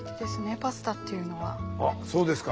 あっそうですか。